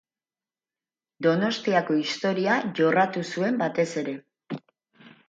Donostiako historia jorratu zuen batez ere.